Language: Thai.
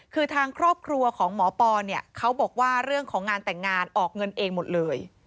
คือทางครอบครัวของหมอปอเนี่ยเขาบอกว่าเรื่องของงานแต่งงานออกเงินเองหมดเลย